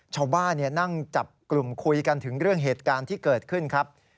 ชาวบ้านนั่งจับกลุ่มคุยกันถึงเรื่องเหตุการณ์ที่เกิดขึ้นครับ